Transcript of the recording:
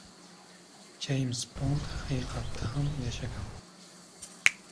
Jeyms Bond haqiqatda ham yashagan